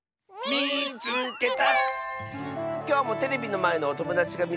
「みいつけた！」。